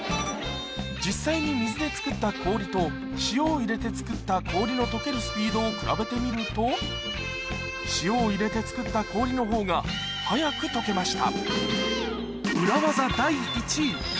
実際に水で作った氷と塩を入れて作った氷の解けるスピードを比べてみると塩を入れて作った氷のほうが早く解けました